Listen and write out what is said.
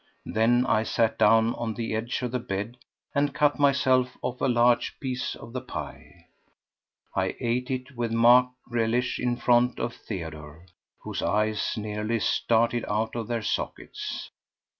Then I sat down on the edge of the bed and cut myself off a large piece of the pie. I ate it with marked relish in front of Theodore, whose eyes nearly started out of their sockets.